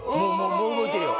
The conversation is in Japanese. もう動いてるよ。